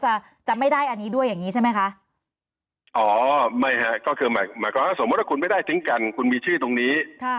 เราจะจำไม่ได้อันนี้ด้วยแบบนี้ใช่ไหมคะอ๋อไม่ค่ะเหมือนว่าสมมติถึงกันคุณมีชื่อตรงนี้